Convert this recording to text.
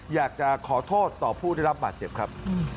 อยากจะขอโทษต่อผู้ได้รับบาดเจ็บครับ